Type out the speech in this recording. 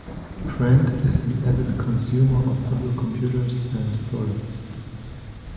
Brent is an avid consumer of Apple computers and products.